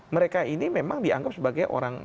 mereka ini memang dianggap sebagai orang